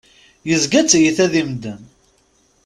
Yezga d tiyita di medden.